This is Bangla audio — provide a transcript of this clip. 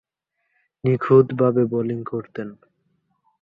নিখুঁতভাবে বোলিং করতেন।